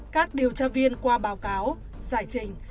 các điều tra viên qua báo cáo giải trình